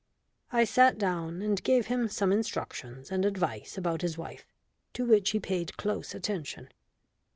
I sat down and gave him some instructions and advice about his wife, to which he paid close attention.